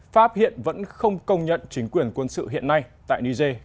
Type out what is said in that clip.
pháp hiện vẫn không công nhận chính quyền quân sự hiện nay tại niger